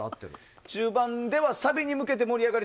中盤ではサビに向けて盛り上がり